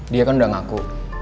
dia kan udah ngaku